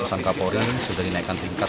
sangka poring sudah dinaikan tingkat